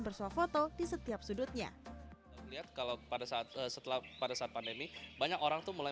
bersuah foto di setiap sudutnya lihat kalau pada saat setelah pada saat pandemi banyak orang tuh mulai